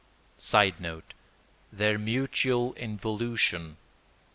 [Sidenote: Their mutual involution.